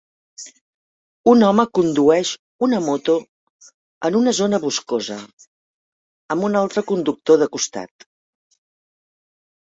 Un home condueix una moto en una zona boscosa, amb un altre conductor de costat.